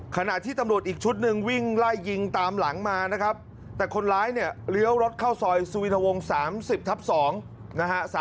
ขณะที่ตำรวจอีกชุดหนึ่งวิ่งไล่ยิงตามหลังมานะครับแต่คนร้ายเนี่ยเลี้ยวรถเข้าซอยสุวินทวง๓๐ทับ๒นะฮะ